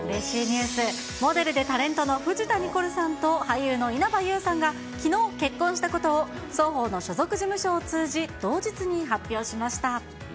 モデルでタレントの藤田ニコルさんと、俳優の稲葉友さんがきのう結婚したことを双方の所属事務所を通じ、同日に発表しました。